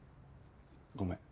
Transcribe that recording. ごめん。